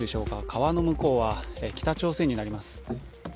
川の向こうは北朝鮮になります。